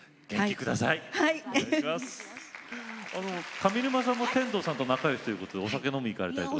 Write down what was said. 上沼さんも天童さんと仲よしということでお酒飲みに行かれたりとか？